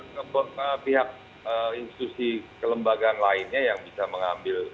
kan bisa pihak institusi kelembagaan lainnya yang bisa mengambil